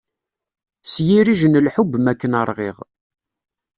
S yirij n lḥub makken ṛɣiɣ.